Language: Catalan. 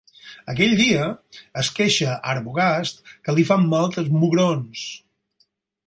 Aquell dia, es queixa a Arbogast que li fan mal els mugrons.